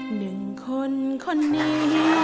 หนึ่งคนคนนี้